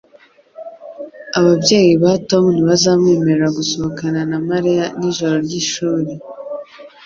Ababyeyi ba Tom ntibazamwemerera gusohokana na Mariya nijoro ryishuri